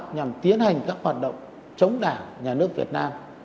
nhằm tiến hành các hoạt động chống đảng nhà nước việt nam